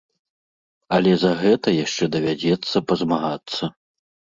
Але за гэта яшчэ давядзецца пазмагацца.